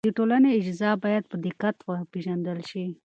د ټولنې اجزا باید په دقت وپېژندل شي.